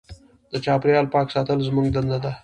د چاپېریال پاک ساتل زموږ دنده ده.